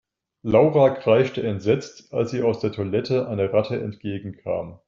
Laura kreischte entsetzt, als ihr aus der Toilette eine Ratte entgegenkam.